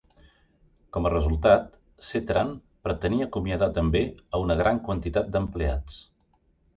Com a resultat, C-Tran pretenia acomiadar també a una gran quantitat d'empleats.